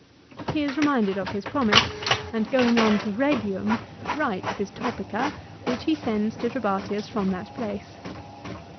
He is reminded of his promise, and going on to Rhegium writes his " Topica," which he sends to Trebatius from that place.